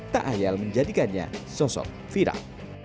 tak ayal menjadikannya sosok viral